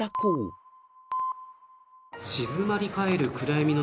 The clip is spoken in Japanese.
静まり返る暗闇の中。